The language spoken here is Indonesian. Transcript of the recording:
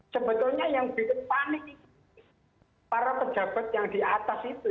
sebetulnya yang bikin panik itu para pejabat yang di atas itu